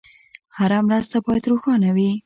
هره مرسته باید روښانه وي.